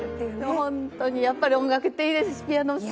本当に、やっぱり音楽っていいですね。